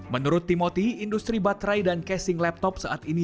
menurut timoti industri baterai dan casing laptop saat ini